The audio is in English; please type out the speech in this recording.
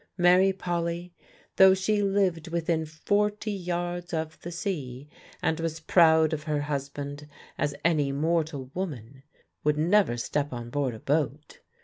Mary Polly, though she lived within forty yards of the sea, and was proud of her husband as any mortal woman, would never step on board a boat.